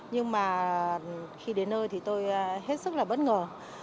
nhưng mà khi đến nơi thì tôi hết sức là bất ngờ